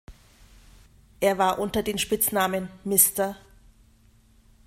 Er war unter den Spitznamen "Mr.